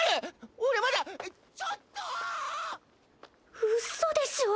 俺まだちょっとウソでしょ